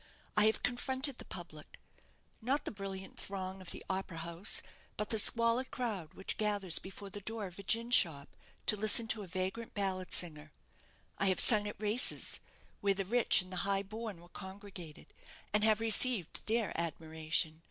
I have confronted the public not the brilliant throng of the opera house, but the squalid crowd which gathers before the door of a gin shop, to listen to a vagrant ballad singer. I have sung at races, where the rich and the high born were congregated, and have received their admiration.